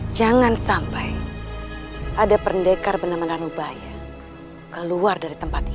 jangan sampai ada pendekar benar benar nubaya keluar dari tempat ini